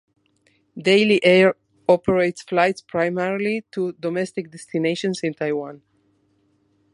Daily Air operates flights primarily to domestic destinations in Taiwan.